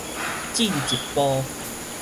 進一步